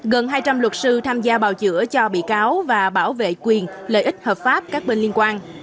gần hai trăm linh luật sư tham gia bào chữa cho bị cáo và bảo vệ quyền lợi ích hợp pháp các bên liên quan